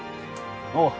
おう。